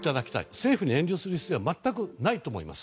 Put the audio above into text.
政府に遠慮する必要は全くないと思います。